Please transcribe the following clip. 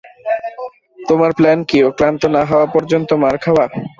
তোমার প্ল্যান কি ও ক্লান্ত না হওয়া পর্যন্ত মার খাওয়া?